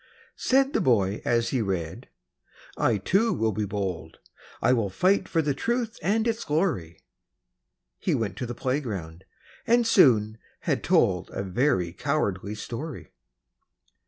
Said the boy as he read, "I too will be bold, I will fight for the truth and its glory!" He went to the playground, and soon had told A very cowardly story!